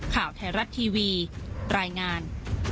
ข่าวไทยรัฐทีวีรายงาน